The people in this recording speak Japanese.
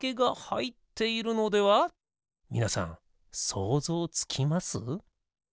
みなさんそうぞうつきます？